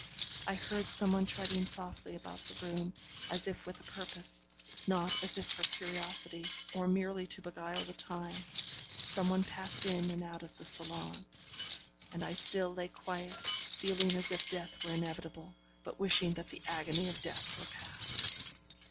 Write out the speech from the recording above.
I heard some one treading softly about the room, as if with a purpose, not as if for curiosity, or merely to beguile the time; some one passed in and out of the salon; and I still lay quiet, feeling as if death were inevitable, but wishing that the agony of death were past.